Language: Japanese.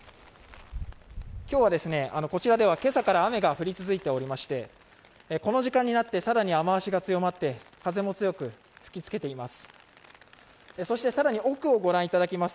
今日はこちらでは今朝から雨が降り続いていましてこの時間になって更に雨足が強まって風も強く吹きつけています。